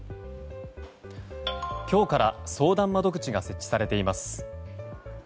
今日から相談窓口が設置されています。